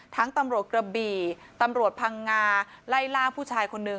ตำรวจกระบี่ตำรวจพังงาไล่ล่าผู้ชายคนนึง